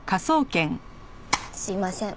すいません。